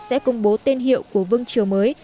sẽ công bố tên hiệu của vương chiều mới